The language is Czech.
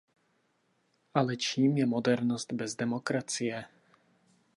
Ale čím je modernost bez demokracie?